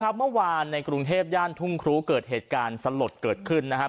เมื่อวานในกรุงเทพย่านทุ่งครูเกิดเหตุการณ์สลดเกิดขึ้นนะครับ